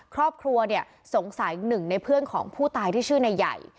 ครอบครัวเนี่ยสงสัยหนึ่งในเพื่อนของผู้ตายที่ชื่อนายใหญ่